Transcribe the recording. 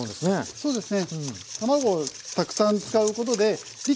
そうですね。